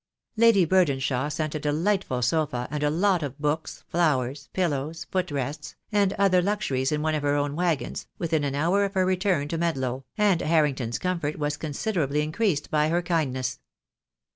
Lady Burdenshaw sent a delightful sofa, and a lot of books, flowers, pillows, foot rests, and other luxuries in one of her own waggons, within an hour of her return to Medlow, and Harrington's comfort was considerably in creased by her kindness.